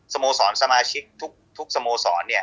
โมสรสมาชิกทุกสโมสร